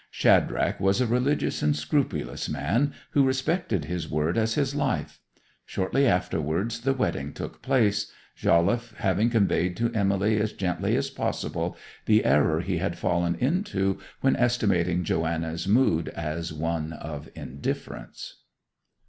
Shadrach was a religious and scrupulous man, who respected his word as his life. Shortly afterwards the wedding took place, Jolliffe having conveyed to Emily as gently as possible the error he had fallen into when estimating Joanna's mood as one of indifference.